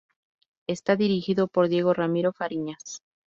Está dirigido por Diego Ramiro Fariñas.